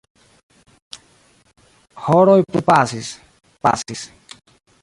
Horoj plu pasis, pasis.